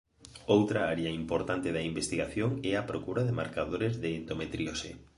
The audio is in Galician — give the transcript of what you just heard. Outra área importante da investigación é a procura de marcadores de endometriose.